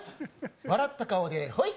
笑った顔でホイ。